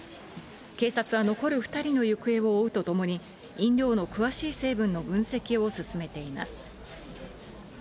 警察は残る２人の行方を追うとともに、飲料の詳しい成分の分析を進めています。